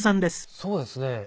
そうですね。